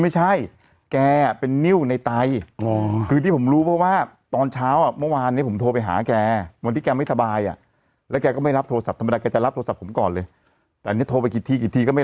มุมที่ดีไปนี่ไปในสถานที่อากโฮจรบางทีนี่